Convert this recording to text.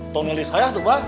tunggu nelisa ya coba